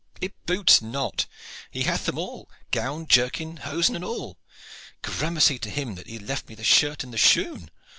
"It boots not. He hath them all gown, jerkin, hosen and all. Gramercy to him that he left me the shirt and the shoon.